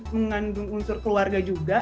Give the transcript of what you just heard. mengandung unsur keluarga juga